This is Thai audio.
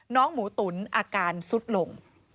น้องหมูตุ๋นอาการสุดลง